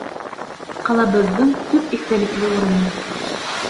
Ҡалабыҙҙың төп иҫтәлекле урыны